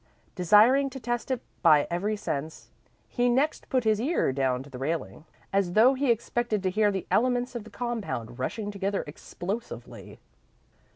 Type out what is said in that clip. Desiring to test it by every sense, he next put his ear down to the railing, as though he expected to hear the elements of the compound rushing together explosively.